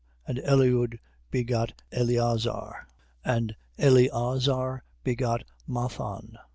And Eliud begot Eleazar. And Eleazar begot Mathan.